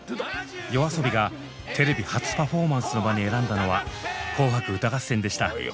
ＹＯＡＳＯＢＩがテレビ初パフォーマンスの場に選んだのは「紅白歌合戦」でした。